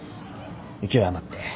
勢い余って。